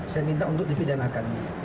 saya minta untuk dipidanakan